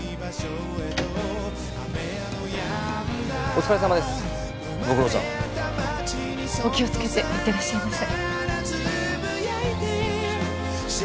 お気をつけて行ってらっしゃいませ。